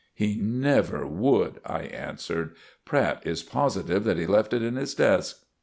"He never would," I answered. "Pratt is positive that he left it in his desk."